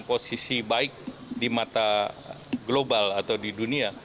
posisi baik di mata global atau di dunia